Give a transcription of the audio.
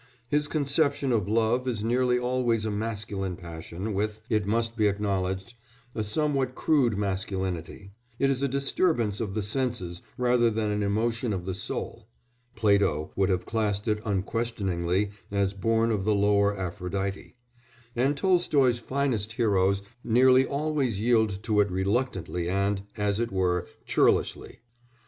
His conception of love is nearly always a masculine passion with, it must be acknowledged, a somewhat crude masculinity; it is a disturbance of the senses rather than an emotion of the soul (Plato would have classed it unquestioningly as born of the lower Aphrodite), and Tolstoy's finest heroes nearly always yield to it reluctantly and, as it were, churlishly.